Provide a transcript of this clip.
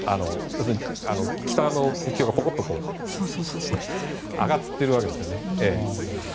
北の国境がポコッと上がっているわけですね。